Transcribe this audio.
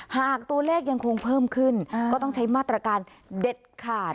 หากตัวเลขยังคงเพิ่มขึ้นก็ต้องใช้มาตรการเด็ดขาด